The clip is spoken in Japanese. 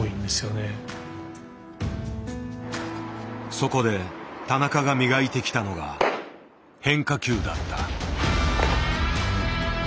そこで田中が磨いてきたのが変化球だった。